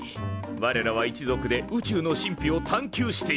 われらは一族で宇宙の神秘を探求しているのだ。